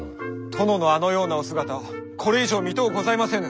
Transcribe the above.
殿のあのようなお姿はこれ以上見とうございませぬ。